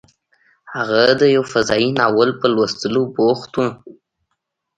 هغه د یو فضايي ناول په لوستلو بوخت و